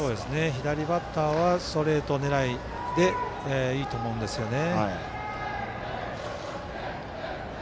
左バッターはストレート狙いでいいと思うんですよね。